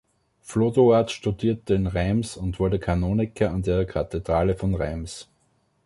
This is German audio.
Flodoard studierte in Reims und wurde Kanoniker an der Kathedrale von Reims.